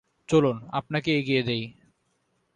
চলুন আপনাকে এগিয়ে দেই।